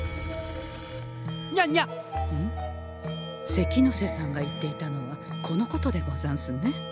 関ノ瀬さんが言っていたのはこのことでござんすね。